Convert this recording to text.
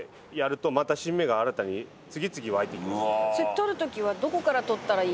取る時はどこから取ったらいいですか？